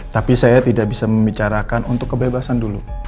tapi saya tidak bisa membicarakan untuk kebebasan dulu